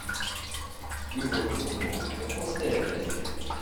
Yugurten U Muḥ ixuṣ tarmit.